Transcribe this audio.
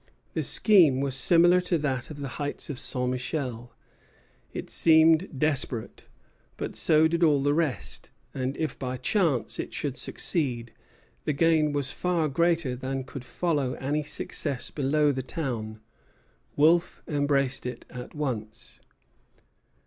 The scheme was similar to that of the heights of St. Michel. It seemed desperate, but so did all the rest; and if by chance it should succeed, the gain was far greater than could follow any success below the town. Wolfe embraced it at once.